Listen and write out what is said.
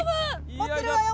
持ってるわよ